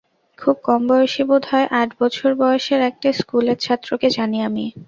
খুব কম বয়সী, বোধহয় আট বছর বয়সের একটা স্কুলের ছাত্রকে জানি আমি।